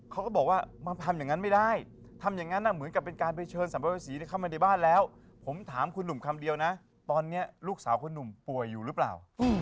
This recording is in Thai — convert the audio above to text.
เขาก็บอกว่ามาทำอย่างนั้นไม่ได้ทำอย่างนั้นเหมือนกับเป็นการไปเชิญสัมภีเข้ามาในบ้านแล้วผมถามคุณหนุ่มคำเดียวนะตอนนี้ลูกสาวคุณหนุ่มป่วยอยู่หรือเปล่า